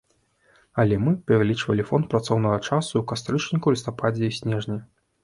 Але мы павялічылі фонд працоўнага часу ў кастрычніку, лістападзе і снежні.